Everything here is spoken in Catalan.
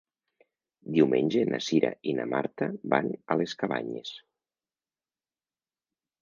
Diumenge na Cira i na Marta van a les Cabanyes.